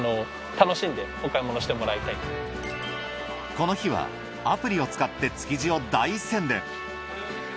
この日はアプリを使って築地を大宣伝。